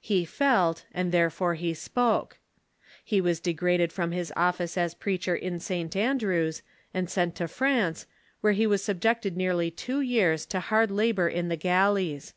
He felt, and there fore he spoke. He was degraded from his office as preacher in St. Andrews, and sent to France, Avhere he was subjected nearly two years to hard labor in the galleys.